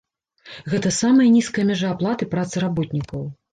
Гэта самая нізкая мяжа аплаты працы работнікаў.